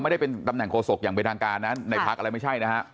ไม่ได้เป็นตำแหน่งโฆษกภักดิ์อย่างบริธางการนะฮะในพรรคอะไรไม่ใช่นะฮะ